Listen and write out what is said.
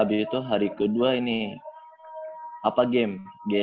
abis itu hari kedua ini apa game game